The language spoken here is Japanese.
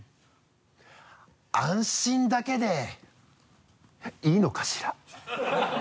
安心だけでいいのかしら？